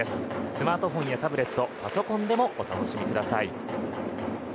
スマートフォンやタブレットパソコンでもお楽しみください。